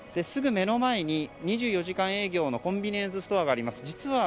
すぐ目の前に２４時間営業のコンビニがあります。